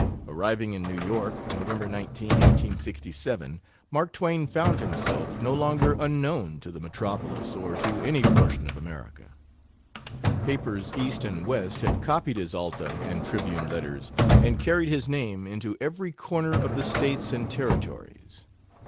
Arriving in New York, November 19, 1867, Mark Twain found himself no longer unknown to the metropolis, or to any portion of America. Papers East and West had copied his Alta and Tribune letters and carried his name into every corner of the States and Territories.